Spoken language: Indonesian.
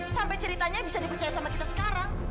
sampai ceritanya bisa dipercaya sama kita sekarang